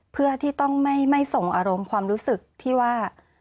เพื่อที่ต้องไม่ส่งอารมณ์ความรู้สึกที่ว่า